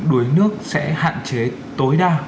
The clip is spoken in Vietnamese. đuối nước sẽ hạn chế tối đa